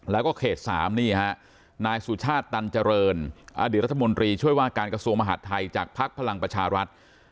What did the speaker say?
แล้วก็เขต๓นี่ฮะนายสุชาติตันเจริญอดีตรัฐมนตรีช่วยว่าการกระทรวงมหาดไทยจากภักดิ์พลังประชารัฐ